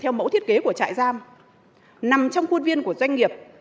theo mẫu thiết kế của trại giam nằm trong khuôn viên của doanh nghiệp